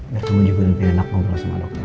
dan kamu juga lebih enak ngobrol sama dokternya